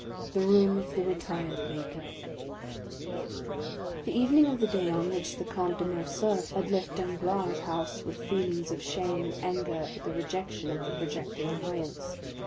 The Room of the Retired Baker The evening of the day on which the Count of Morcerf had left Danglars' house with feelings of shame and anger at the rejection of the projected alliance, M.